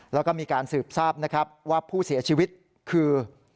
แล้วก็มีการสืบทราบนะครับว่าผู้เสียชีวิตคือ